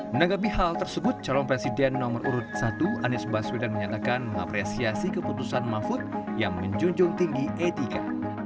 menanggapi hal tersebut calon presiden nomor urut satu anies baswedan menyatakan mengapresiasi keputusan mahfud yang menjunjung tinggi etika